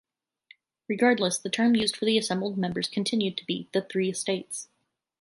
Regardless, the term used for the assembled members continued to be "the Three Estates".